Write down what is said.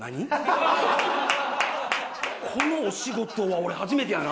このお仕事は俺初めてやな。